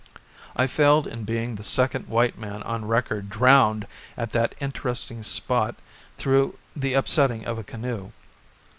I failed in being the second white man on record drowned at that interesting spot through the upsetting of a canoe.